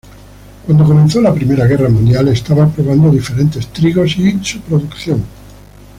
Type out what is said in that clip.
Cuando comenzó la Primera Guerra Mundial estaba probando diferentes trigos y su producción.